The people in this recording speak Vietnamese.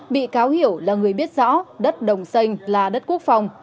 bị cáo hiểu là người biết rõ đất đồng xanh là đất quốc phòng